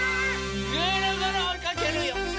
ぐるぐるおいかけるよ！